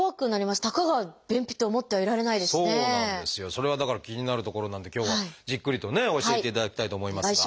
それがだから気になるところなんで今日はじっくりとね教えていただきたいと思いますが。